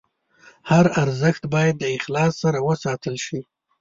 هر ارزښت باید د اخلاص سره وساتل شي.